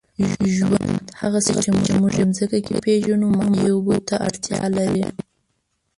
ژوند، هغسې چې موږ یې په مځکه کې پېژنو، مایع اوبو ته اړتیا لري.